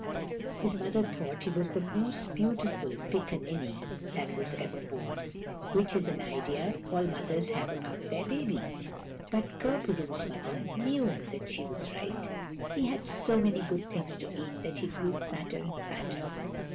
His mother thought he was the most beautiful pickaninny that was ever born, which is an idea all mothers have about their babies. But Kur bo roo's mother knew that she was right. He had so many good things to eat that he grew fatter and fatter.